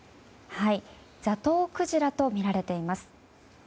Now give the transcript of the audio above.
ザトウクジラとみられています。